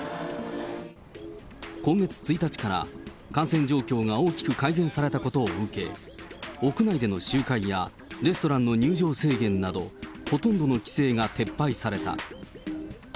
今月１日から、感染状況が大きく改善されたことを受け、屋内での集会やレストランの入場制限など、ほとんどの規制が撤廃された。